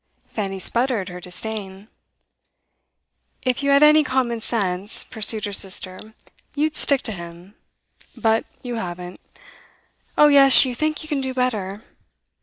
Fanny sputtered her disdain. 'If you had any common sense,' pursued her sister, 'you'd stick to him; but you haven't. Oh yes, you think you can do better.